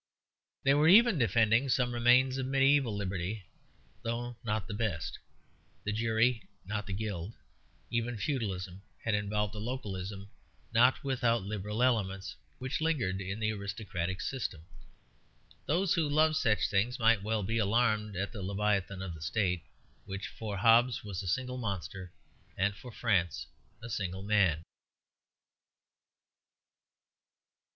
They were even defending some remains of mediæval liberty, though not the best; the jury though not the guild. Even feudalism had involved a localism not without liberal elements, which lingered in the aristocratic system. Those who loved such things might well be alarmed at the Leviathan of the State, which for Hobbes was a single monster and for France a single man.